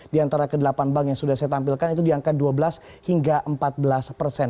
di antara kedelapan bank yang sudah saya tampilkan itu di angka dua belas hingga empat belas persen